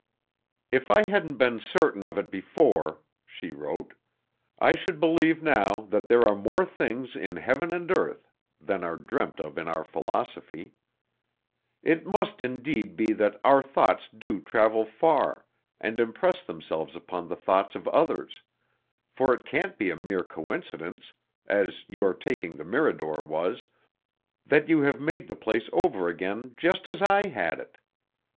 "If I hadn't been certain of it before," she wrote, "I should believe now that there are more things in heaven and earth than are dreamt of in our philosophy. It must indeed be that our thoughts do travel far, and impress themselves upon the thoughts of others, for it can't be a mere coincidence as your taking the Mirador was that you have made the place over again just as I had it.